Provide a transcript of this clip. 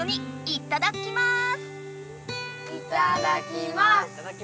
いただきます！